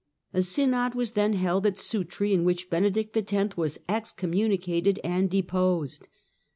A Synod was then held at Sutri, in which Benedict X. was excommuni cated and deposed.